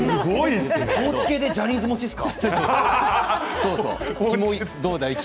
ポーチ系でジャニーズ持ちですか？